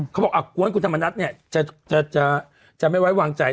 เขาบอกกวนคุณธรรมนัฐเนี่ยจะไม่ไว้วางใจ